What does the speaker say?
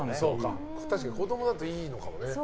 確かに子供だといいのかもね。